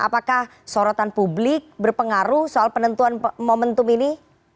apakah sorotan publik berpengaruh soal penentuan momentum ini